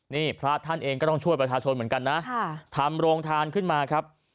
นี่พระท่านเองก็ต้องช่วยประชาชนเหมือนกันนะทำโรงทานขึ้นมาครับ